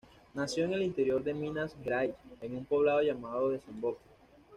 Nació en el interior de Minas Gerais, en un poblado llamado Desemboque.